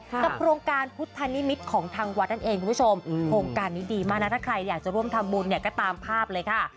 กับโครงการพุทธนิมิตรของทางวัดนั่นเองคุณผู้ชมโครงการนี้ดีมากนะถ้าใครอยากจะร่วมทำบุญเนี่ยก็ตามภาพเลยค่ะ